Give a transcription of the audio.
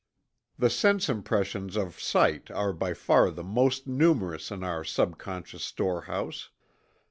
The sense impressions of sight are by far the most numerous in our subconscious storehouse.